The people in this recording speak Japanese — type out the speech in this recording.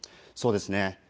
そうですね。